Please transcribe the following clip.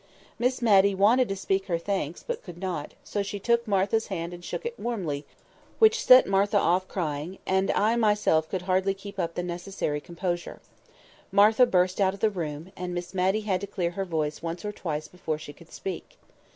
Miss Matty wanted to speak her thanks, but could not; so she took Martha's hand and shook it warmly, which set Martha off crying, and I myself could hardly keep up the necessary composure. Martha burst out of the room, and Miss Matty had to clear her voice once or twice before she could speak.